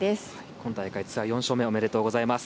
今大会ツアー４勝目おめでとうございます。